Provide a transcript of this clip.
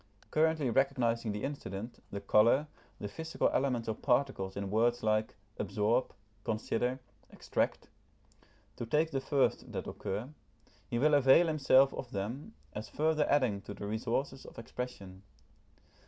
Currently recognising the incident, the colour, the physical elements or particles in words like absorb, consider, extract, to take the first that occur, he will avail himself of them, as further adding to the resources of expression.